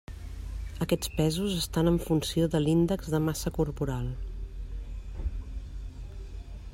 Aquests pesos estan en funció de l'índex de massa corporal.